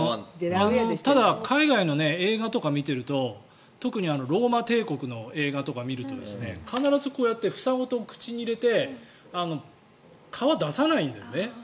ただ海外の映画とかを見ていると特にローマ帝国の映画とかを見ていると必ず、こうやって房ごと口に入れて皮を出さないんだよね。